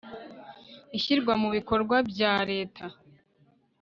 ishyirwa mu bikorwa byareta